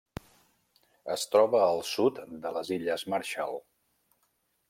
Es troba al sud de les Illes Marshall.